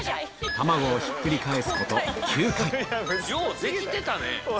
卵をひっくり返すこと９回ようできてたね。